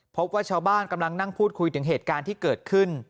พบว่าชาวบ้านกำลังนั่งพูดคุยถึงเหตุการณ์ที่เกิดขึ้น